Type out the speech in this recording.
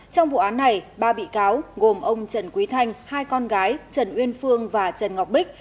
trong vụ án này ba bị cáo gồm ông trần quý thanh hai con gái trần uyên phương và trần ngọc bích